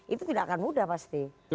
itu tidak akan mudah pasti